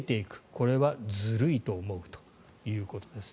これはずるいと思うということです。